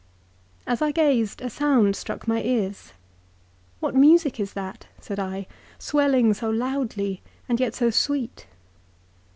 "As I gazed a sound struck my ears. 'What music is that,' said I, ' swelling so loudly and yet so sweet